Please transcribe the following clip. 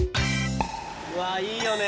うわいいよね。